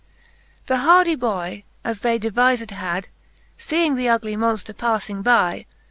XVI. The hardy boy, as they devifed had, Seeing the ugly Monfter pafling by.